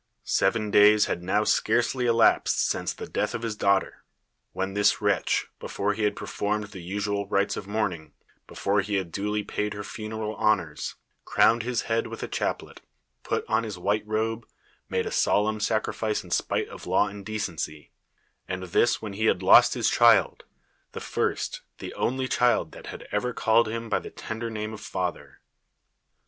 Seven days had now scarcely elapsed since the death of his daughter, when this wretch, before he had performed the usual rites of mourning, before he had duh" paid her funeral honors, crowned his head with a chaplet, put on his white robe, made a solemn sacrifice in despite of law and decency ; and this w^hen he had lost his child — the first, the only child that had ever called him by the tender name of father